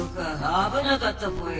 あぶなかったぽよ。